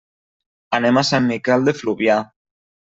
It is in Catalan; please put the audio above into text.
Anem a Sant Miquel de Fluvià.